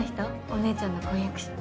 お姉ちゃんの婚約者。